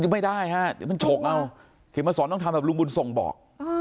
ไม่ได้ฮะเดี๋ยวมันฉกเอาเข็มมาสอนต้องทำแบบลุงบุญส่งบอก